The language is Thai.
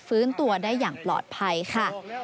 ฟื้นตัวได้อย่างปลอดภัยค่ะ